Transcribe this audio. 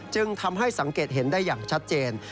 จึงทำให้สังเกตเห็นได้อย่างชัดเจน